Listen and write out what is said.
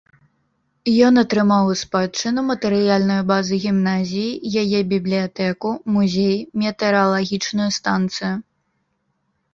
Ён атрымаў у спадчыну матэрыяльную базу гімназіі, яе бібліятэку, музей, метэаралагічную станцыю.